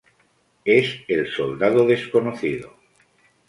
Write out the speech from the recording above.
Es el soldado desconocido...